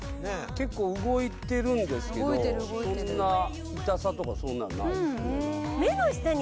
結構・動いてる動いてるそんな痛さとかそんなのないですね